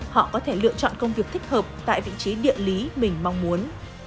họ có thể lựa chọn công việc thích hợp tại vị trí địa lý mình mong muốn